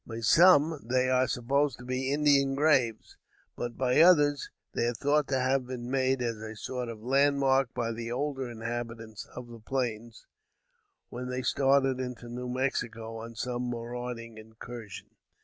By some they are supposed to be Indian graves; but, by others, they are thought to have been made as a sort of landmark by the older inhabitants of the plains, when they started into New Mexico on some marauding incursion.